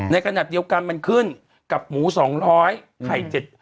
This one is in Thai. ในขณะเดียวกันมันขึ้นกับหมู๒๐๐ไข่๗๐๐